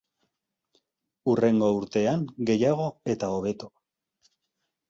Hurrengo urtean gehiago eta hobeto.